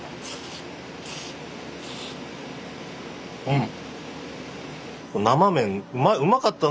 うん！